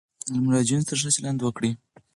له مراجعینو سره ښه چلند وکړئ.